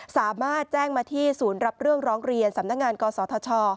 สามารถแจ้งมาที่ศูนย์รับเรื่องร้องเรียนสำนักงานกศธช